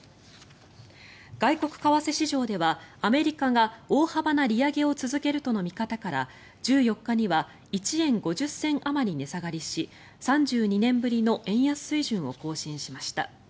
外国為替市場では、アメリカが大幅な利上げを続けるとの見方から１４日には１円５０銭あまり値下がりし３２年ぶりの円安水準を更新しました。